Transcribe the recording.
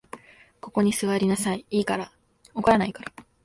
ここに坐りなさい、いいから。怒らないから。